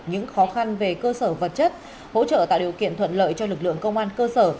những khó khăn về cơ sở vật chất hỗ trợ tạo điều kiện thuận lợi cho lực lượng công an cơ sở